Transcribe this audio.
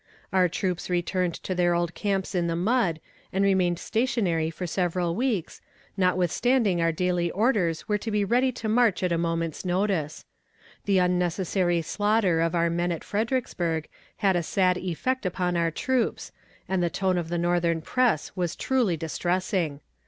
Our troops returned to their old camps in the mud, and remained stationary for several weeks, notwithstanding our daily orders were to be ready to march at a moment's notice. The unnecessary slaughter of our men at Fredericksburg had a sad effect upon our troops, and the tone of the northern press was truly distressing.